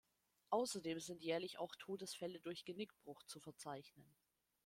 Außerdem sind jährlich auch Todesfälle durch Genickbruch zu verzeichnen.